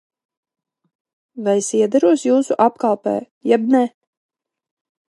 Vai es iederos jūsu apkalpē jeb ne?